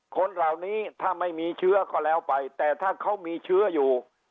คนเหล่านี้ถ้าไม่มีเชื้อก็แล้วไปแต่ถ้าเขามีเชื้ออยู่